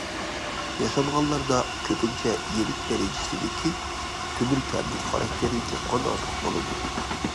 ياشانغانلاردا كۆپىنچە يېنىك دەرىجىسىدىكى تۆمۈر كەملىك خاراكتېردىكى قان ئازلىق بولىدۇ.